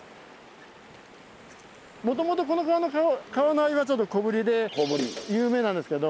もともとこの川のアユはちょっと小ぶりで有名なんですけど。